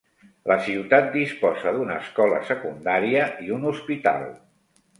La ciutat disposa d'una escola secundària i un hospital.